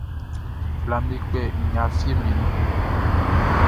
Blaʼm be kpɛ nɲa fieʼm be nun.